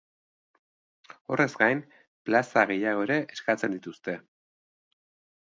Horrez gain, plaza gehiago ere eskatzen dituzte.